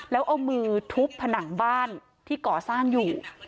แล้วเอามือทุบผนังบ้านที่ก่อสร้างอยู่